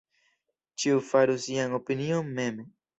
Ĉiu faru sian opinion mem.